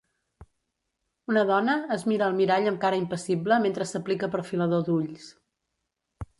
Una dona es mira al mirall amb cara impassible mentre s'aplica perfilador d'ulls.